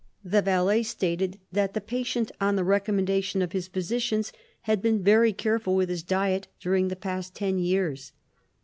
The valet stated that the patient, on the recommendation of his physicians, had been very careful with his diet during the past ten years.